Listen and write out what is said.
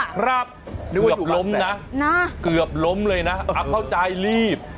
เกือบล้มนะเกือบล้มเลยนะเข้าใจรีบ